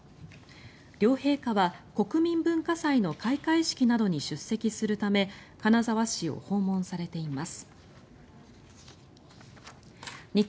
両陛下は国民文化祭の開会式などに出席するため金沢市を訪問されています。